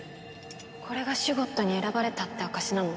これがシュゴッドに選ばれたって証しなの？